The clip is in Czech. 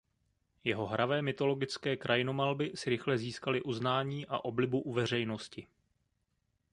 Jeho hravé mytologické krajinomalby si rychle získaly uznání a oblibu u veřejnosti.